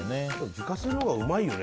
自家製のほうがうまいよね